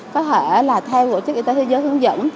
có thể là theo tổ chức y tế thế giới hướng dẫn